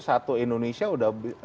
satu indonesia udah evaluasi semua